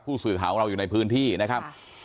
สื่อข่าวของเราอยู่ในพื้นที่นะครับ